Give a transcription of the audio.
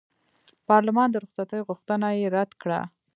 پارلمان د رخصتۍ غوښتنه یې رد کړه.